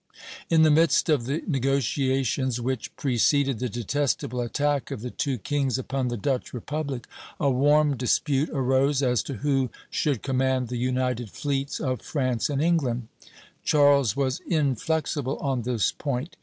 In the midst of the negotiations which preceded the detestable attack of the two kings upon the Dutch republic, a warm dispute arose as to who should command the united fleets of France and England. Charles was inflexible on this point.